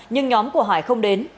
nhưng nhóm của hải không đến